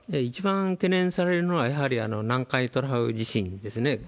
一番懸念されるのは、やはり南海トラフ地震ですね。